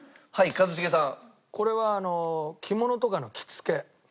一茂さん。